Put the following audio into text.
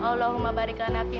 allahumma barik ala alamin